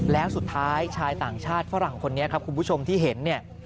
แล้วสุดท้ายชายต่างชาติฝรั่งคนนี้ครับคุณผู้ชมที่เห็นเนี่ย